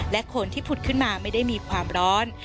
และคนที่ผุดขึ้นมาไม่ได้มีความร้อน